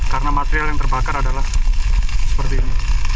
karena material yang terbakar adalah seperti ini